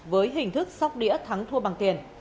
với hình thức sóc đĩa thắng thua bằng tiền